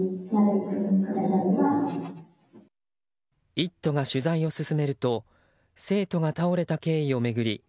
「イット！」が取材を進めると生徒が倒れた経緯を巡り